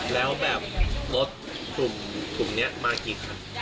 แล้วแบบรถกลุ่มนี้มากี่คัน